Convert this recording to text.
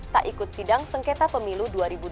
tak ikut sidang sengketa pemilu dua ribu dua puluh